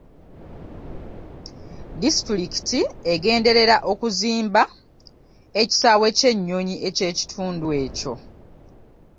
Disitulikiti egenderera okuzimba ekisaawe ky'ennyonyi eky'ekitundu ekyo.